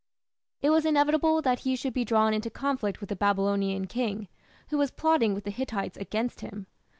It was inevitable that he should be drawn into conflict with the Babylonian king, who was plotting with the Hittites against him.